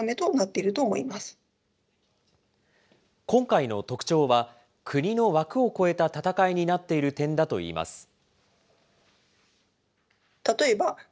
今回の特徴は、国の枠を超えた戦いになっている点だといいます。